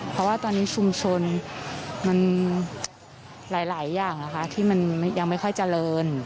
เพราะว่าตอนนี้ชุมชนมันหลายอย่างที่มันยังไม่ค่อยเจริญ